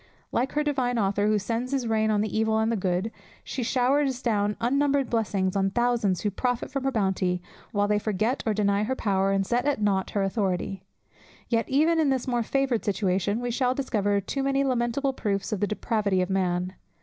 Like her divine Author, "who sends his rain on the evil and on the good," she showers down unnumbered blessings on thousands who profit from her bounty, while they forget or deny her power, and set at nought her authority. Yet even in this more favoured situation we shall discover too many lamentable proofs of the depravity of man.